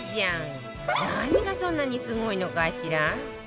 何がそんなにすごいのかしら？